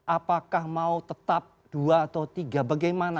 apakah mau tetap dua atau tiga bagaimana